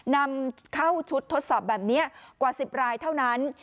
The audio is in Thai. นำเข้าชุดทดสอบแบบนี้กว่า๑๐รายเท่านั้น